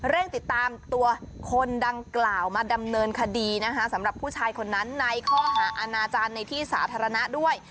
เร่งติดตามตัวคนดังกล่าวมาดำเนินคดีนะคะสำหรับผู้ชายคนนั้นในข้อหาอาณาจารย์ในที่สาธารณะด้วย